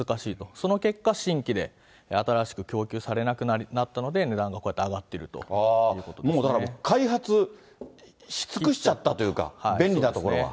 その結果、新規で新しく供給されなくなったので、値段がこうやっもうだから、もう開発し尽くしちゃったというか、便利な所は。